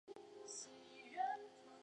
这个方法的原理很简单